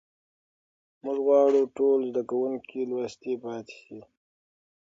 موږ غواړو ټول زده کوونکي لوستي پاتې سي.